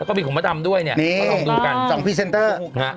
แล้วก็มีของมดดำด้วยเนี่ยมาลองดูกันสองพรีเซนเตอร์ฮะ